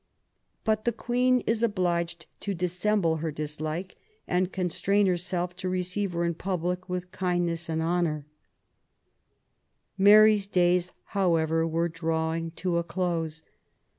But the Queen is obliged to dissenxble her dislike, and constrain herself to receive her in public with kindness and honour," Mary's days, however, were drawing to a close.